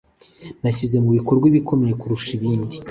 Nashyize mubikorwa bikomeye kurusha abandi.